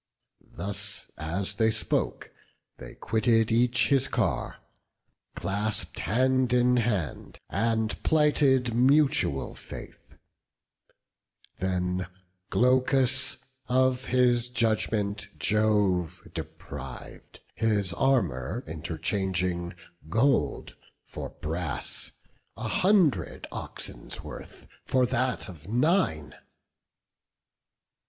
Thus as they spoke, they quitted each his car; Clasp'd hand in hand, and plighted mutual faith. Then Glaucus of his judgment Jove depriv'd, His armour interchanging, gold for brass, A hundred oxen's worth for that of nine.